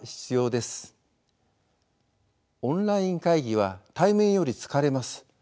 オンライン会議は対面より疲れます。